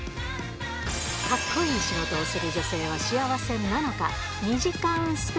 かっこいい仕事をする女性は幸せなのか？